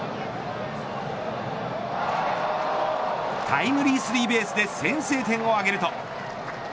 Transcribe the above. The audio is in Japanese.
タイムリースリーベースで先制点を挙げると。